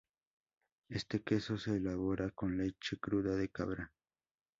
Este queso se elabora con leche cruda de cabra.